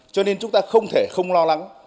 cho nên chúng ta không thể không lo lắng